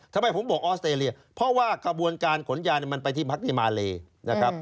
ทำไมผมบอกออสเตรเลียเพราะว่ากระบวนการขนยาเนี่ยมันไปที่พักที่มาเลนะครับ